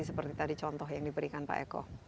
seperti tadi contoh yang diberikan pak eko